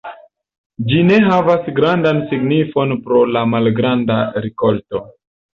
Ĝi ne havas grandan signifon pro la malgranda rikolto.